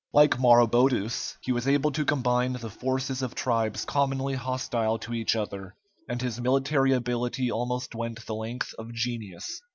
Like Maroboduus, he was able to combine the forces of tribes commonly hostile to each other, and his military ability almost went the length of genius.